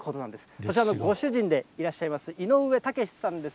こちらのご主人でいらっしゃいます井上毅さんです。